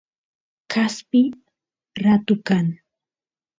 kaspi raku kan